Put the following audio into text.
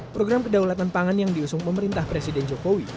program kedaulatan pangan yang diusung pemerintah presiden jokowi